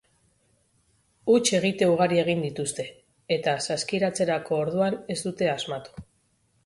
Huts egite ugari egin dituzte eta saskiratzerako orduan ez dute asmatu.